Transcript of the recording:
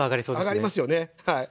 揚がりますよねはい。